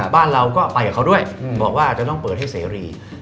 บ้านเราก็ไปกับเขาด้วยบอกว่าจะต้องเปิดให้เสรี